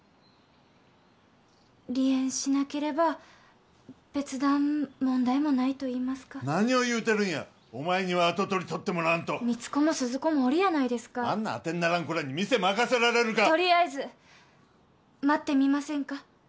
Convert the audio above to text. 離縁しなければ別段問題もないといいますか何を言うてるんや跡取りとってもらわんと光子も鈴子もおるやないあてんならん子らに任せられるかとりあえず待ってみませんか